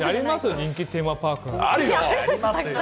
人気テーマパークって。